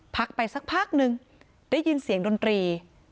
พักไปสักพักนึงได้ยินเสียงดนตรี